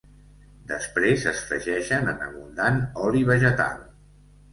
Després es fregeixen en abundant oli vegetal.